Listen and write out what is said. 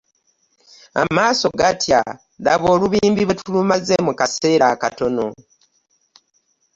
Amaaso gatya! Laba olubimbi bwe tulumaze mu kaseera akatono!